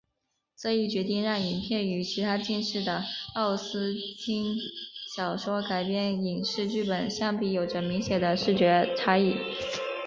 这一决定让影片与其他近期的奥斯汀小说改编影视剧本相比有着明显的视觉差异。